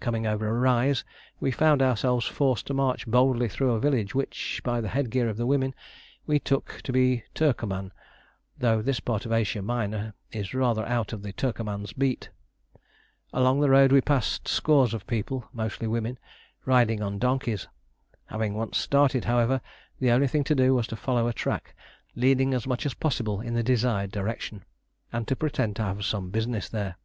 Coming over a rise, we found ourselves forced to march boldly through a village which, by the headgear of the women, we took to be Turcoman, though this part of Asia Minor is rather out of the Turcoman's beat. Along the road we passed scores of people, mostly women, riding on donkeys. Having once started, however, the only thing to do was to follow a track leading as much as possible in the desired direction, and to pretend to have some business there.